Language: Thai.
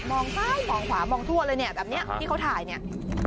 ซ้ายมองขวามองทั่วเลยเนี่ยแบบนี้ที่เขาถ่ายเนี่ย